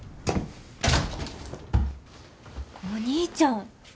お兄ちゃん。